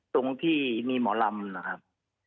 ตรงที่มีหมอลำนะครับ